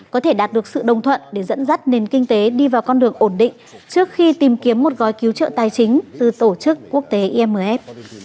có thể đạt được sự đồng thuận để dẫn dắt nền kinh tế đi vào con đường ổn định trước khi tìm kiếm một gói cứu trợ tài chính từ tổ chức quốc tế imf